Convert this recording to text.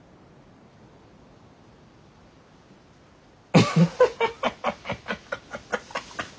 アハハハハハハ。